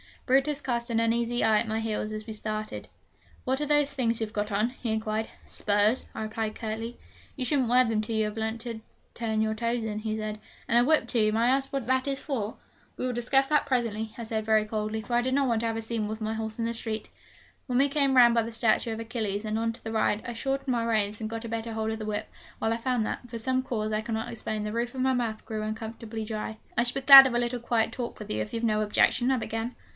Brutus cast an uneasy eye at my heels as we started: 'What are those things you've got on?' he inquired. 'Spurs,' I replied curtly. 'You shouldn't wear them till you have learnt to turn your toes in,' he said. 'And a whip, too! May I ask what that is for?' 'We will discuss that presently,' I said very coldly; for I did not want to have a scene with my horse in the street. When we came round by the statue of Achilles and on to the Ride, I shortened my reins, and got a better hold of the whip, while I found that, from some cause I cannot explain, the roof of my mouth grew uncomfortably dry. 'I should be glad of a little quiet talk with you, if you've no objection,' I began.